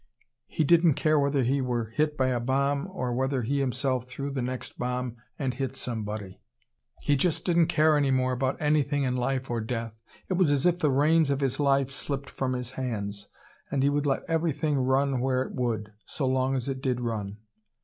He didn't care whether he were hit by a bomb, or whether he himself threw the next bomb, and hit somebody. He just didn't care any more about anything in life or death. It was as if the reins of his life slipped from his hands. And he would let everything run where it would, so long as it did run.